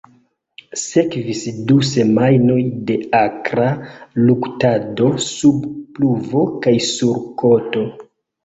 Sekvis du semajnoj de akra luktado sub pluvo kaj sur koto.